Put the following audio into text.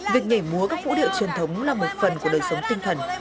việc nhảy múa các vũ điệu truyền thống là một phần của đời sống tinh thần